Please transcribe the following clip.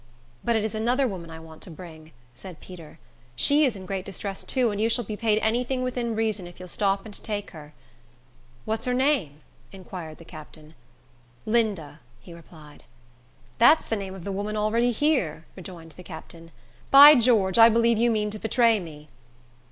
"But it is another woman I want to bring," said Peter. "She is in great distress, too, and you shall be paid any thing within reason, if you'll stop and take her." "What's her name?" inquired the captain. "Linda," he replied. "That's the name of the woman already here," rejoined the captain. "By George! I believe you mean to betray me."